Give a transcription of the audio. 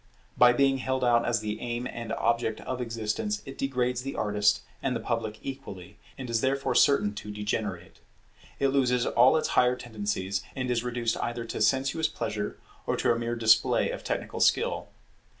By being held out as the aim and object of existence, it degrades the artist and the public equally, and is therefore certain to degenerate. It loses all its higher tendencies, and is reduced either to a sensuous pleasure, or to a mere display of technical skill.